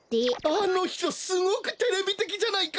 あのひとすごくテレビてきじゃないか。